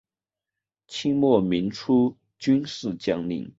清末民初军事将领。